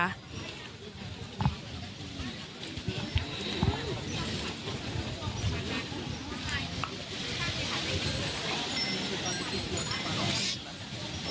นะคะ